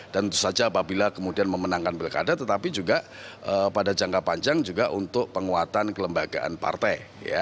dan tentu saja apabila kemudian memenangkan pilkada tetapi juga pada jangka panjang juga untuk penguatan kelembagaan partai